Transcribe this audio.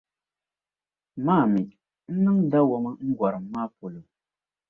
Ma a mi, n niŋ dawɔma n gɔrim maa polo